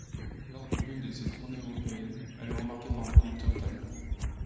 Lors de l'une de ses tournées européennes elle est remarquée par un producteur italien.